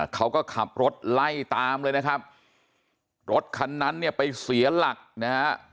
เขาก็ขับรถไล่ตามเลยนะครับรถคันนั้นเนี่ยไปเสียหลักนะฮะ